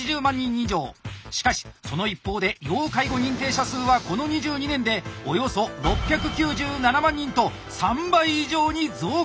しかしその一方で要介護認定者数はこの２２年でおよそ６９７万人と３倍以上に増加！